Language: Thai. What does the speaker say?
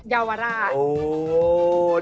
เยาวราช